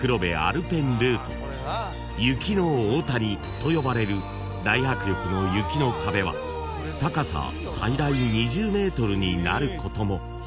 ［雪の大谷と呼ばれる大迫力の雪の壁は高さ最大２０ｍになることも］